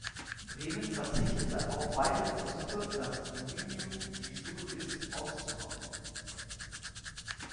Bremen verzichtete auf weitere Versuche, das „Dominium Visurgis“ auszubauen.